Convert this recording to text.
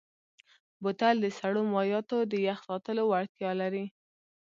بوتل د سړو مایعاتو د یخ ساتلو وړتیا لري.